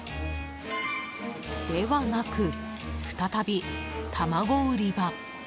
ではなく、再び卵売り場。